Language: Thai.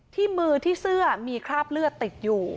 ที่มือที่เสื้อมีคราบเลือดติดอยู่